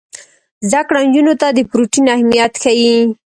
زده کړه نجونو ته د پروټین اهمیت ښيي.